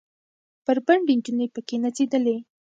بربنډې نجونې پکښې نڅېدلې.